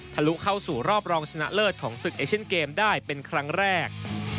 ลุเข้าสู่รอบรองชนะเลิศของศึกเอเชียนเกมได้เป็นครั้งแรก